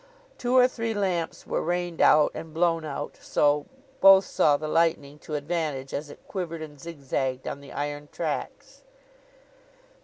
Two or three lamps were rained out and blown out; so, both saw the lightning to advantage as it quivered and zigzagged on the iron tracks.